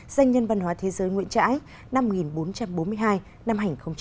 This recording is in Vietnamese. danh nhân văn hóa thế giới nguyễn trãi năm một nghìn bốn trăm bốn mươi hai năm hai nghìn hai mươi